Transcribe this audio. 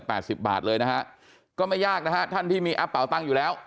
สิบบาทเลยนะฮะก็ไม่ยากนะฮะท่านที่มีแอปเป่าตังค์อยู่แล้ว